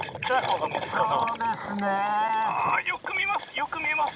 よく見えます